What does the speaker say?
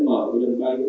mở một loại đường bay mới